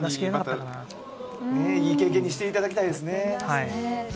いい経験にしていただきたいですね。